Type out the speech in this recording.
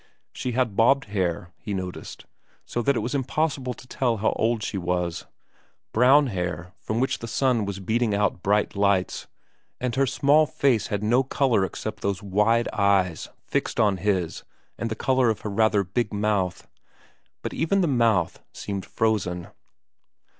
She had bobbed hair, he noticed, so that it was impossible to tell how old she was, brown hair from which the sun was beating out bright lights ; and her small face had no colour except those wide eyes fixed on his and the colour of her rather big mouth ; but even her mouth seemed frozen.